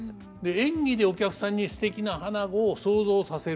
演技でお客さんにすてきな花子を想像させる。